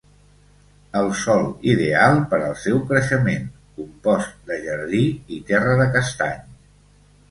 El sòl ideal per al seu creixement: compost de jardí i terra de castany.